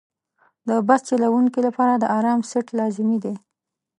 د بس چلوونکي لپاره د آرام سیټ لازمي دی.